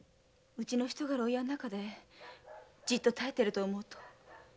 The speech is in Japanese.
うちの人が牢屋の中でじっと耐えてると思うと。